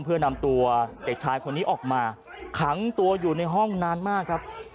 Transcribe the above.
เพื่อนำตัวเด็กชายคนนี้ออกมาขังตัวอยู่ในห้องนานมากครับ